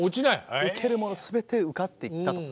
受けるもの全て受かっていったと。